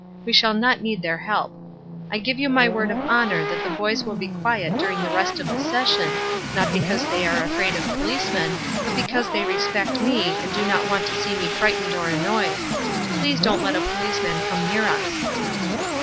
We shall not need their help. I give you my word of honor that the boys will be quiet during the rest of the session, not because they are afraid of policemen, but because they respect me, and do not want to see me frightened or annoyed. Please don't let a policeman come near us."